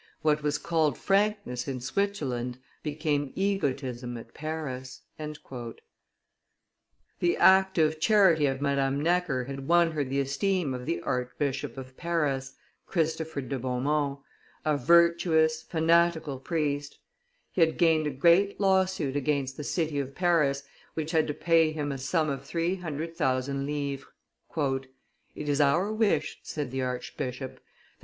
What was called frankness in Switzerland became egotism at Paris." [Illustration: Necker Hospital 432] The active charity of Madame Necker had won her the esteem of the Archbishop of Paris, Christopher de Beaumont, a virtuous, fanatical priest; he had gained a great lawsuit against the city of Paris, which had to pay him a sum of three hundred thousand livres. "It is our wish," said the archbishop, "that M.